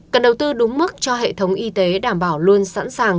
cần đầu tư đúng mức cho hệ thống y tế đảm bảo luôn sẵn sàng